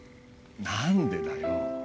何でだよ。